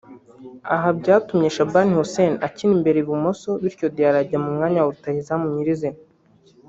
Aha byatumye Shaban Hussein akina imbere ibumoso bityo Diarra ajya mu mwanya wa rutahizamu nyirizina